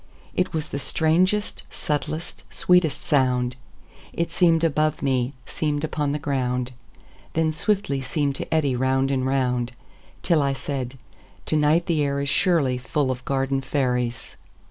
It was the strangest, subtlest, sweetest sound:It seem'd above me, seem'd upon the ground, Then swiftly seem'd to eddy round and round, Till I said: "To night the air isSurely full of garden fairies."